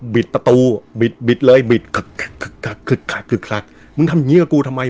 บิดตระตูบิดบิดเลยบิดคลักคลักคลักคลักคลัก